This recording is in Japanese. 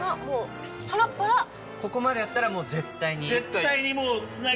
ここまでやったら絶対に？